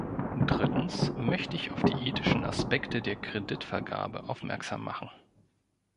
Drittens möchte ich auf die ethischen Aspekte der Kreditvergabe aufmerksam machen.